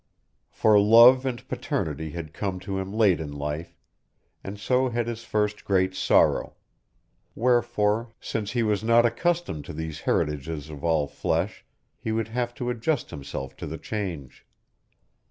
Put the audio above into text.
For love and paternity had come to him late in life, and so had his first great sorrow; wherefore, since he was not accustomed to these heritages of all flesh, he would have to adjust himself to the change.